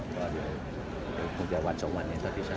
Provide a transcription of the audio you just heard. ก็เดี๋ยวคงจะวันสองวันนี้เท่าที่ทราบ